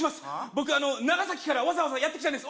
僕長崎からわざわざやってきたんです